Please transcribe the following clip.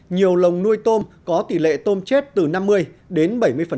nhiều lồng nuôi tôm có tỷ lệ tôm chết từ năm mươi đến bảy mươi